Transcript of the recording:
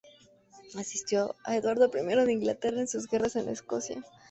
Asistió a Eduardo I de Inglaterra en sus guerras en Escocia.